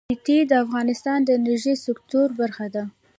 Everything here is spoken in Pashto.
ښتې د افغانستان د انرژۍ سکتور برخه ده.